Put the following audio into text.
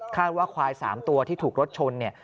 คาดว่าควาย๓ตัวที่ถูกรถชน